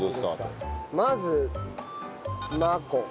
まずマコ。